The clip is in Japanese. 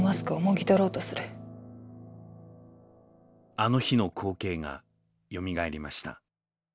あの日の光景がよみがえりました。